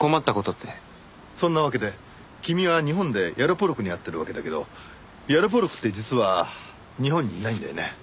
そんなわけで君は日本でヤロポロクに会ってるわけだけどヤロポロクって実は日本にいないんだよね。